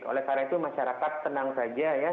oleh karena itu masyarakat tenang saja ya